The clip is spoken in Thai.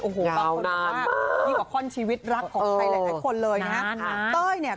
โอ้โหตอนนี้กว่าข้อนชีวิตรักของใครหลายคนเลยนะครับ